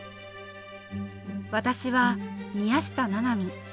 私は宮下七海。